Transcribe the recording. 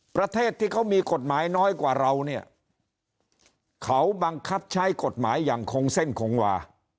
ประเทศที่เขามีกฎหมายน้อยกว่าเราเนี่ยเขาบังคับใช้กฎหมายอย่างคงเส้นคงวา